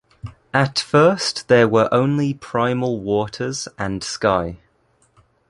At first there were only primal waters and Sky.